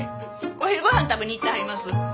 お昼ご飯食べに行ってはります。